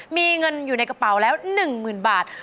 มีเงินอยู่ในกระเป๋าแล้ว๑๐๐๐บาท